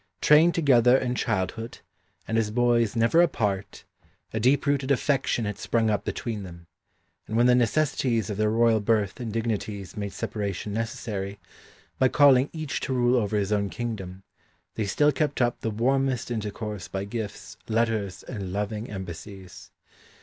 Trained together in childhood, and as boys never apart, a deep rooted affection had sprung up between them, and when the necessities of their royal birth and dignities made separation necessary, by calling each to rule over his own kingdom, they still kept up the warmest intercourse by gifts, letters, and loving embassies.